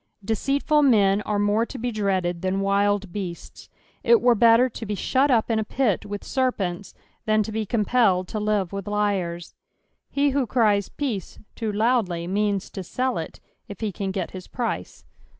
Deceitful men are more to be dreaded than wild beasts ; it were better to be shut up in a pit with serpents than to be compelled to live with liars. He who cries " peace" too loudly, means to sell it if he can get his price.